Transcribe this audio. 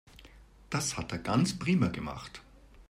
Das hat er ganz prima gemacht.